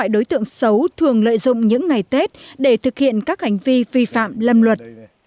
dùng những ngày tết để thực hiện các hành vi vi phạm lâm luật